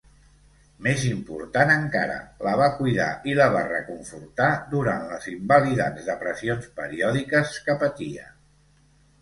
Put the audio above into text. Més important encara, la va cuidar i la va reconfortar durant les invalidants depressions periòdiques que patia.